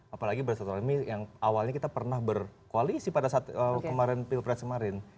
apalagi bersilaturahmi yang awalnya kita pernah berkoalisi pada saat kemarin pilkada kemarin